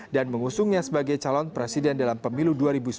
dan mengusungnya sebagai calon presiden dalam pemilu dua ribu sembilan belas